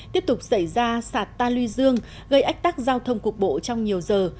tiếp tục xảy ra sạt ta lưu dương gây ách tắc giao thông cục bộ trong nhiều giờ